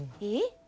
いい？